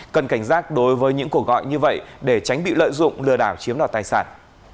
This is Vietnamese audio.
cần cảnh giác đối với những cuộc gọi như vậy để tránh bị lợi dụng lừa đảo chiếm đoạt tài sản